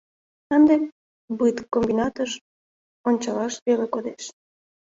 Ынде быткомбинатыш ончалаш веле кодеш.